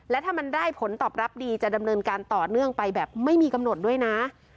และถ้ามันได้ผลตอบรับดีจะดำเนินการต่อเนื่องไปแบบไม่มีกำหนดด้วยนะ